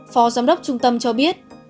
phó giám đốc trung tâm cho biết